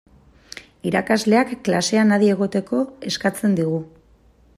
Irakasleak klasean adi egoteko eskatzen digu.